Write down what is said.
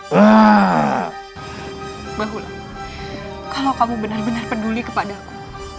bahullah kalau kamu benar benar peduli kepada aku